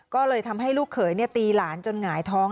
ก็เลยทำให้ลูกเขยตีหลานจนหงายท้อง